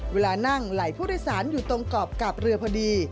เวลานั่งไหลผู้โดยสารอยู่ตรงกรอบกาบเรือพอดี